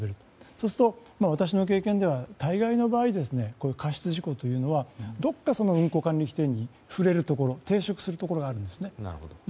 そうすると私の経験では大概の場合過失事故というのはこの運航管理規定に触れるところ抵触するところがありますね。